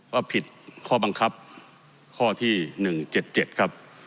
ว่าผิดข้อบังคับข้อที่หนึ่งเจ็ดเจ็ดครับ